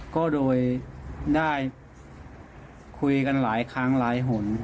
ก็โดยได้คุยกันหลายครั้งหลายหน